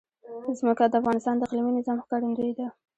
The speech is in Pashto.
ځمکه د افغانستان د اقلیمي نظام ښکارندوی ده.